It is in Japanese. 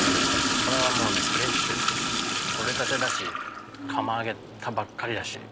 これはもうフレッシュ取れたてだし釜あげたばっかりだし。